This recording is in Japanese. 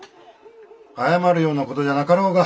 謝るようなことじゃなかろうが。